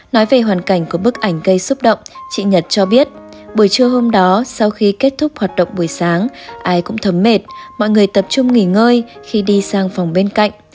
nói về hoàn cảnh của bức ảnh gây xúc động chị nhật cho biết buổi trưa hôm đó sau khi kết thúc hoạt động buổi sáng ai cũng thấm mệt mọi người tập trung nghỉ ngơi khi đi sang phòng bên cạnh